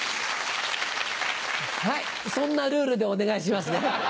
はいそんなルールでお願いしますね。